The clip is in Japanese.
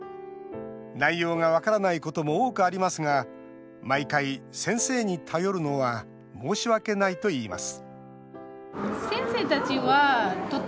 内容が分からないことも多くありますが毎回、先生に頼るのは申し訳ないといいます